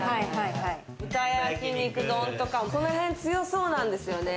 豚焼肉丼とか、このへん、強そうなんですよね。